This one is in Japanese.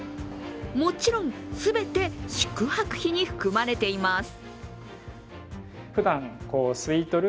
もちろん、全て宿泊費に含まれています。